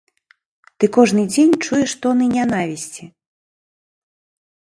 Ты кожны дзень чуеш тоны нянавісці.